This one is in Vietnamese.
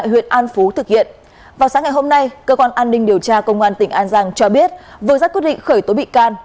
huyện an phú thực hiện vào sáng ngày hôm nay cơ quan an ninh điều tra công an tỉnh an giang cho biết vừa ra quyết định khởi tố bị can